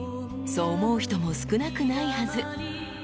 ［そう思う人も少なくないはず］